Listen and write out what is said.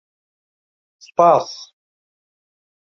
سوپاس!